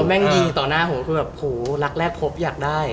มันแม่งยิงต่อหน้าผมคือแบบหูหลักแรกพบอยากได้